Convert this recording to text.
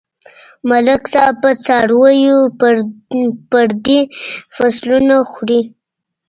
ملک صاحب په څارويو پردي فصلونه خوري.